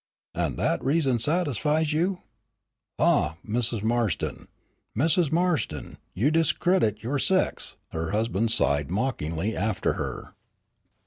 "And that reason satisfies you? Ah, Mrs. Marston, Mrs. Marston, you discredit your sex!" her husband sighed, mockingly after her.